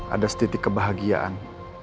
ada setitik kebahagiaan